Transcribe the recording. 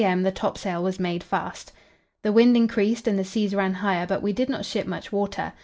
m. the topsail was made fast. The wind increased and the seas ran higher, but we did not ship much water.